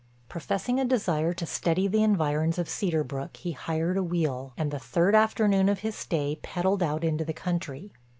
Professing a desire to study the environs of Cedar Brook he hired a wheel, and the third afternoon of his stay peddled out into the country.